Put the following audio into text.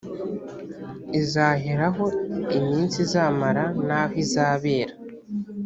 izaheraho iminsi izamara n aho izabera